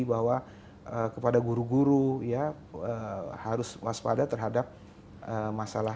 bahwa kepada guru guru ya harus waspada terhadap masalah